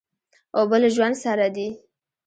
اوبه له ژوند سره دي.